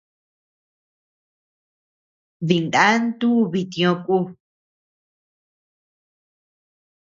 Dina ntu bitio ku.